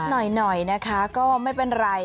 หน่อยนะคะก็ไม่เป็นไร